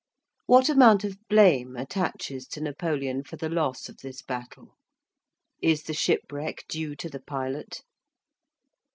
What amount of blame attaches to Napoleon for the loss of this battle? Is the shipwreck due to the pilot?